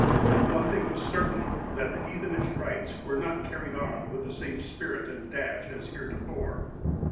And one thing was certain, that the heathenish rites were not carried on with the same spirit and dash as heretofore.